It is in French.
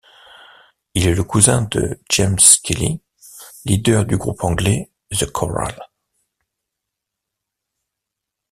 Il est le cousin de James Skelly, leader du groupe anglais The Coral.